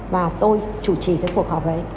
và tôi chủ trì cuộc họp ấy